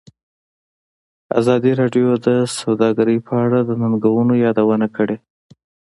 ازادي راډیو د سوداګري په اړه د ننګونو یادونه کړې.